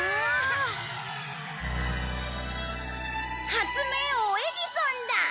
発明王エジソンだ。